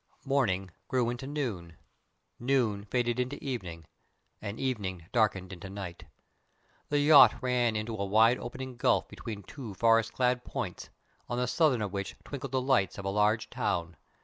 Morning grew into noon, noon faded into evening, and evening darkened into night. The yacht ran into a wide opening gulf between two forest clad points, on the southern of which twinkled the lights of a large town.